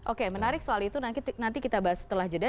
oke menarik soal itu nanti kita bahas setelah jeda